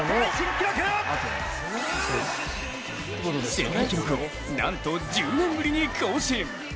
世界記録をなんと１０年ぶりに更新。